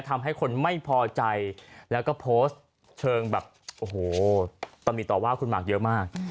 ทำให้คนไม่พอใจแล้วก็โพสต์เชิงแบบโอ้โหตำหนิต่อว่าคุณหมากเยอะมาก